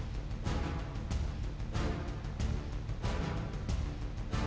satukan suaranya sama sama